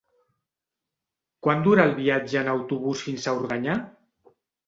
Quant dura el viatge en autobús fins a Organyà?